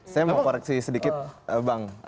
saya mau koreksi sedikit bang